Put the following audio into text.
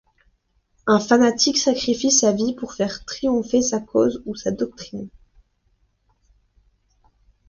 Un fanatique sacrifie sa vie pour faire triompher sa cause ou sa doctrine.